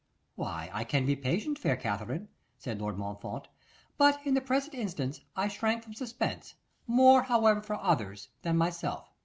'Why, I can be patient, fair Katherine,' said Lord Montfort; 'but in the present instance I shrank from suspense, more, however, for others than myself.